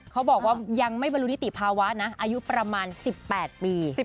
เขาบอกว่ายังไม่บรรลุนิติภาวะนะอายุประมาณ๑๘ปี